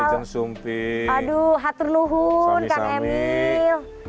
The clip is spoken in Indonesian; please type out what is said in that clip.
aduh haturnuhun kak emil